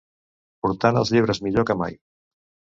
Portant els llibres millor que mai